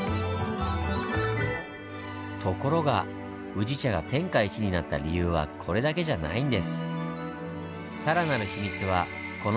ところが宇治茶が天下一になった理由はこれだけじゃないんです。